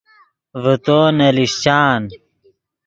ڤے تو نے لیشچان